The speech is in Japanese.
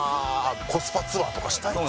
コスパツアーとかしたいです。